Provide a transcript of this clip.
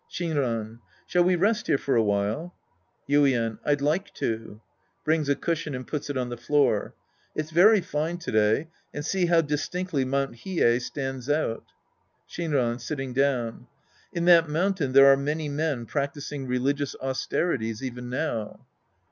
Shinran. Shall we rest here for a while ? Yiden. I'd like to. {Brings a cushion and puts it on the floor.) It's very fine to day and see how dis tinctly Mt. Hiei stands out. Shinran {sitting down). In that mountain there are many men irictising religious austerities even now.